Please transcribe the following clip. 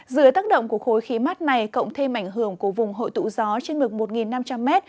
dưới tác động của khối khí mát này cộng thêm ảnh hưởng của vùng hội tụ gió trên mực một năm trăm linh m